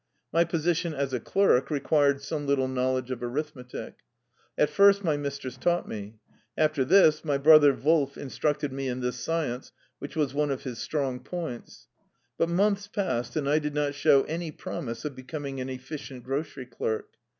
My position as a clerk required some little knowl edge of arithmetic. At first my mistress taught me. After this my brother Wolf instructed me in this science, which was one of his strong points. But months passed, and I did not show any promise of becoming an efficient grocery clerk.